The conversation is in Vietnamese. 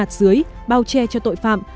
nạt dưới bao che cho tội phạm